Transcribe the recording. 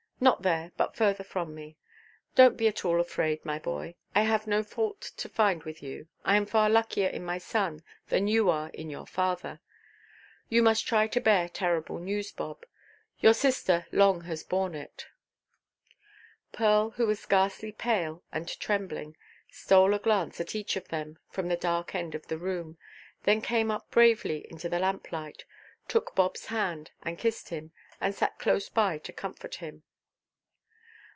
Not there, but further from me. Donʼt be at all afraid, my boy. I have no fault to find with you. I am far luckier in my son, than you are in your father. You must try to bear terrible news, Bob. Your sister long has borne it." Pearl, who was ghastly pale and trembling, stole a glance at each of them from the dark end of the room, then came up bravely into the lamplight, took Bobʼs hand and kissed him, and sat close by to comfort him.